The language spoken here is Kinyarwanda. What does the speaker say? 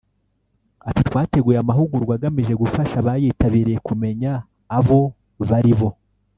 Ati “Twateguye amahugurwa agamije gufasha abayitabiriye kumenya abo baribo